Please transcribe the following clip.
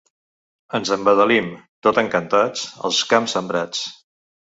Ens embadalim, tot encantats, als camps sembrats.